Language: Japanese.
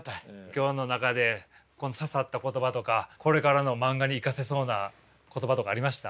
今日の中で刺さった言葉とかこれからの漫画に生かせそうな言葉とかありました？